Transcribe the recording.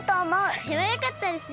それはよかったですね。